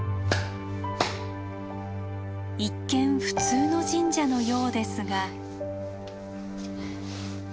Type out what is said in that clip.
一見普通の神社のようですが。